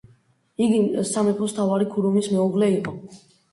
იგი სამეფოს მთავარი ქურუმის მეუღლე იყო.